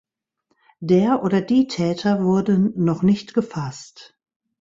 Der oder die Täter wurden noch nicht gefasst.